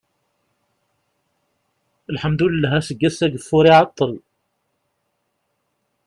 lḥemdullah aseggas-a ageffur iɛeṭṭel